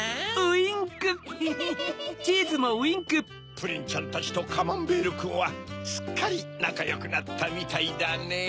プリンちゃんたちとカマンベールくんはすっかりなかよくなったみたいだねぇ。